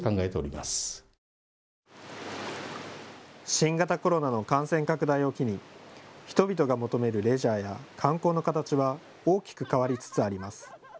新型コロナの感染拡大を機に人々が求めるレジャーや観光の形は大きく変わりつつあります。